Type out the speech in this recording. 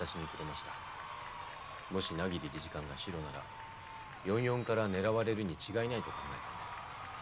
もし百鬼理事官がシロなら４４から狙われるに違いないと考えたんです。